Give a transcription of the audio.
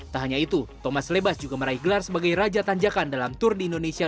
tak hanya itu thomas lebas juga meraih gelar sebagai raja tanjakan dalam tour de indonesia dua ribu sembilan belas